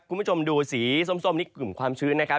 คุณผู้ชมดูสีส้มนี่กลุ่มความชื้นนะครับ